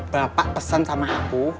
bapak pesen sama aku